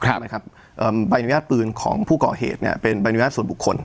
ใช่ไหมครับใบอนุญาตปืนของผู้ก่อเหตุเนี่ยเป็นใบอนุญาตส่วนบุคคล